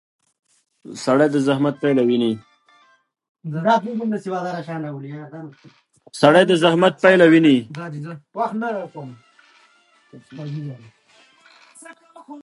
سړی د زحمت پایله ویني